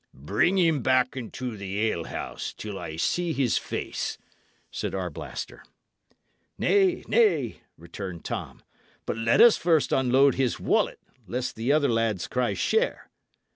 "Bring me him back into the alehouse, till I see his face," said Arblaster. "Nay, nay," returned Tom; "but let us first unload his wallet, lest the other lads cry share."